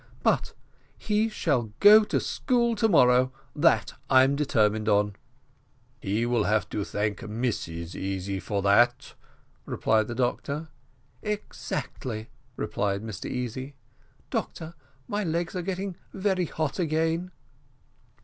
"But he shall go to school tomorrow, that I'm determined on." "He will have to thank Mrs Easy for that," replied the doctor. "Exactly," replied Mr Easy. "Doctor, my legs are getting very hot again."